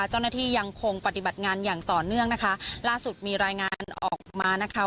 เจ้าหน้าที่ยังคงปฏิบัติงานอย่างต่อเนื่องนะคะล่าสุดมีรายงานออกมานะคะ